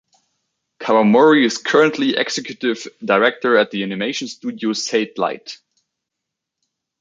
Kawamori is currently executive director at the animation studio Satelight.